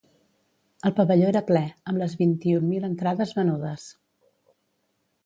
El pavelló era ple, amb les vint-i-un mil entrades venudes.